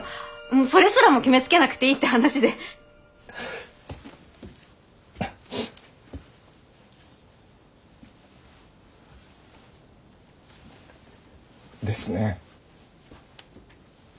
もうそれすらも決めつけなくていいって話で。ですね。